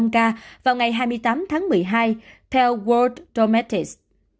chín một trăm linh ca vào ngày hai mươi tám tháng một mươi hai theo world dometics